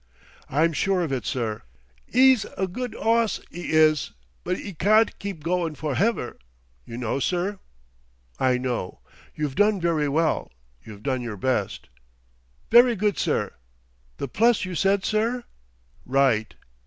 "I'm sure of it, sir. 'E's a good 'oss, 'e is, but 'e carn't keep goin' for hever, you know, sir." "I know. You've done very well; you've done your best." "Very good, sir. The Pless, you said, sir? Right."